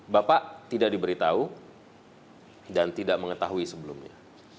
bapak tidak diberitahu dan tidak mengetahui sebelumnya